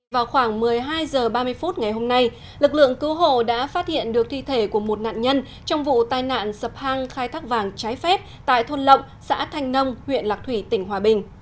vào khoảng một mươi hai h ba mươi phút ngày hôm nay lực lượng cứu hộ đã phát hiện được thi thể của một nạn nhân trong vụ tai nạn sập hang khai thác vàng trái phép tại thôn lộng xã thanh nông huyện lạc thủy tỉnh hòa bình